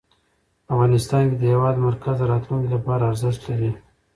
افغانستان کې د هېواد مرکز د راتلونکي لپاره ارزښت لري.